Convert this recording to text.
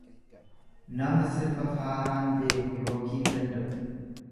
nama sirba faaraan beeku yookiin danda'u.